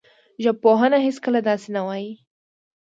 ژبپوهنه هېڅکله داسې نه وايي